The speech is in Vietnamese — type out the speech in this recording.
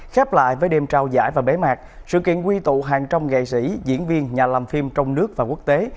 khép lại với đêm trao giải và bế mạc sự kiện quy tụ hàng trăm nghệ sĩ diễn viên nhà làm phim trong nước và quốc tế